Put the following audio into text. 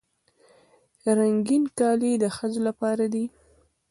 رنګین کالي د ښځو لپاره دي.